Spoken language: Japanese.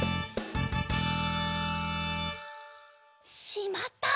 しまった！